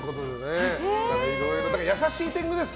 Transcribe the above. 優しい天狗です。